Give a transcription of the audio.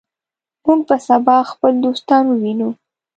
موږ به سبا خپل دوستان ووینو.